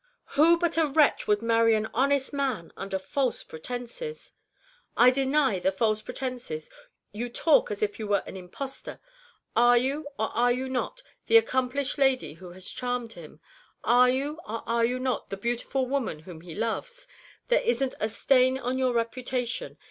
Who but a wretch would marry an honest man under false pretenses?" "I deny the false pretenses! You talk as if you were an impostor. Are you, or are you not, the accomplished lady who has charmed him? Are you, or are you not, the beautiful woman whom he loves? There isn't a stain on your reputation.